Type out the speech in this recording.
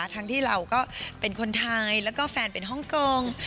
ที่เราก็เป็นคนไทยแล้วก็แฟนเป็นฮ่องกง